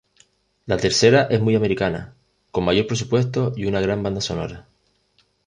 La tercera es muy americana, con mayor presupuesto, y una gran banda sonora.